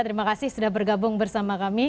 terima kasih sudah bergabung bersama kami